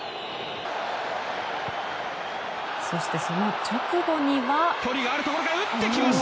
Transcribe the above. そして、その直後には。